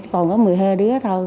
còn có mười hai đứa thôi